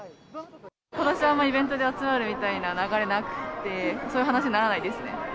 ことしはあまりイベントに集まるみたいな流れなくて、そういう話にならないですね。